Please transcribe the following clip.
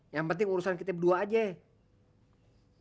yang penting urusan kita berdua aja